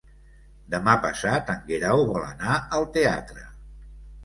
Demà passat en Guerau vol anar al teatre.